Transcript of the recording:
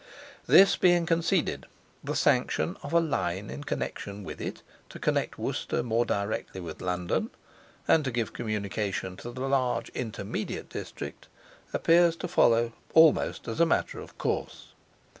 This being conceded, the sanction of a line in connexion with it, to connect Worcester more directly with London, and to give communication to the large intermediate district, appears to follow almost as a matter of course.